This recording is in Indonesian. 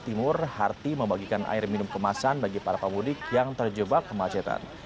timur harti membagikan air minum kemasan bagi para pemudik yang terjebak kemacetan